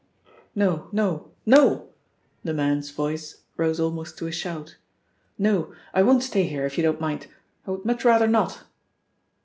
"No, no, no," the man's voice rose almost to a shout. "No, I won't stay here, if you don't mind I would much rather not!"